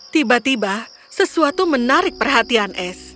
tiba tiba sesuatu menarik perhatian es